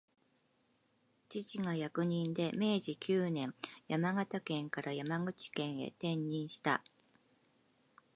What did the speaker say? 父が役人で、明治九年、山形県から山口県へ転任した